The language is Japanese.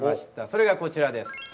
それがこちらです。